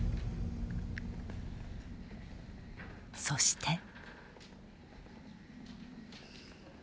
そして。